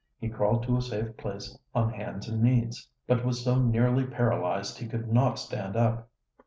He crawled to a safe place on hands and knees, but was so nearly paralyzed he could not stand up.